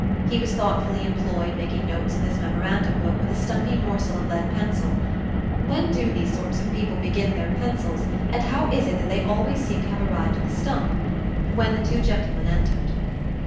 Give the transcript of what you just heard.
He was thoughtfully employed making notes in this memorandum book with a stumpy morsel of lead pencil when do these sort of people begin their pencils, and how is it that they always seem to have arrived at the stump? when the two gentlemen entered.